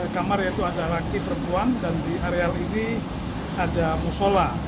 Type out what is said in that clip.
kamar yaitu ada laki perempuan dan di areal ini ada musola